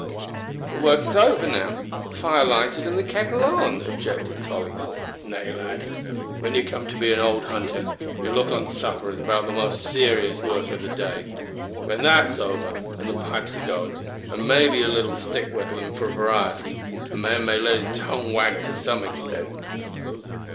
"But work is over now the fire lighted and the kettle on," objected Tolly. "Nay, lad, when you come to be an old hunter you'll look on supper as about the most serious work o' the day. When that's over, an' the pipe a goin', an' maybe a little stick whittlin' for variety, a man may let his tongue wag to some extent."